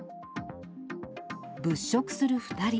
物色する２人。